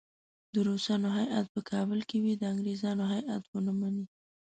د روسانو هیات په کابل کې وي د انګریزانو هیات ونه مني.